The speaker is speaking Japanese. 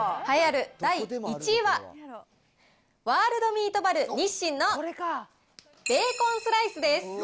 栄えある第１位は、ワールドミートバルニッシンのベーコンスライスです。